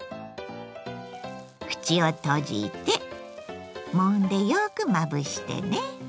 口を閉じてもんでよくまぶしてね。